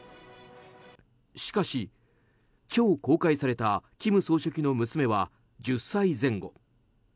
しかし、今日公開された金総書記の娘は１０歳前後。